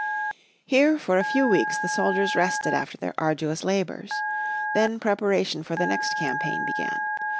Here for a few weeks the soldiers rested after their arduous labours. The preparation for the next campaign began.